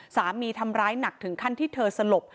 สามีทำร้ายหนักถึงขั้นที่เธอสลบ